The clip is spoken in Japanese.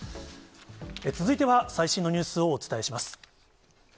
続いては最新のニュースをお伝えします。